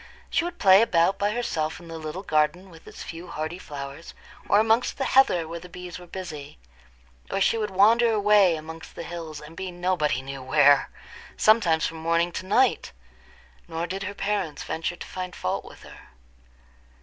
She would play about by herself in the little garden with its few hardy flowers, or amongst the heather where the bees were busy; or she would wander away amongst the hills, and be nobody knew where, sometimes from morning to night; nor did her parents venture to find fault with her.